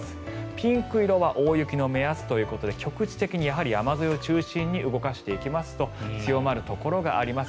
ピンク色は大雪の目安ということで局地的に山沿いを中心に動かしていきますと強まるところがあります。